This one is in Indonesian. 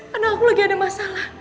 karena aku lagi ada masalah